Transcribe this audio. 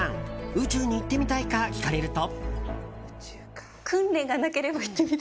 宇宙に行ってみたいか聞かれると。